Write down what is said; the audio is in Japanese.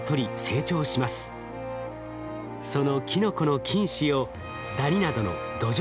そのキノコの菌糸をダニなどの土壌